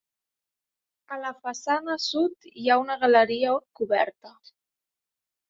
A la façana sud hi ha una galeria coberta.